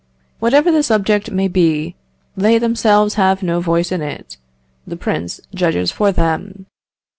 Whatever the subject may be, they themselves have no voice in it the prince judges for them.